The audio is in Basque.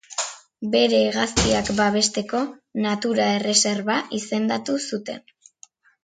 Bere hegaztiak babesteko natura erreserba izendatu zuten.